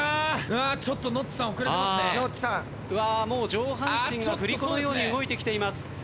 上半身が振り子のように動いてきています。